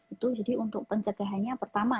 itu jadi untuk pencegahannya pertama